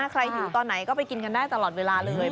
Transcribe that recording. อยู่ตอนไหนก็ไปกินกันได้ตลอดเวลาเลย